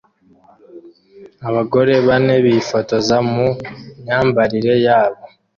Abagore bane bifotoza mu myambarire yabo